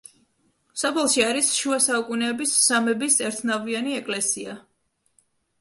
სოფელში არის შუა საუკუნეების სამების ერთნავიანი ეკლესია.